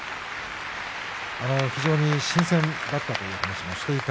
非常に新鮮だったという話をしていました。